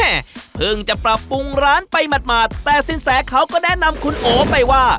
เพิ่งจะปรับปรุงร้านไปหมาดแต่สินแสเขาก็แนะนำคุณโอไปว่า